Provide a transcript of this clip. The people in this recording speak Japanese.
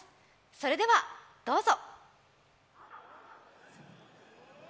それではどうぞ。